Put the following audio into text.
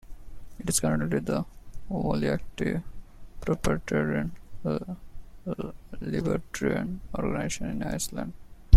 It is currently the only active propertarian libertarian organization in Iceland.